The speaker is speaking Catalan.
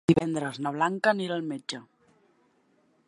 Divendres na Blanca anirà al metge.